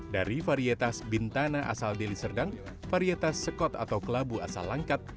dari varietes bintana asal deliserdang varietes sekot atau kelabu asal langkat